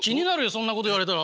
そんなこと言われたら。